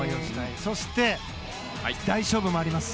そして大勝負もあります。